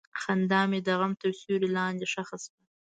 خندا مې د غم تر سیوري لاندې ښخ شوه.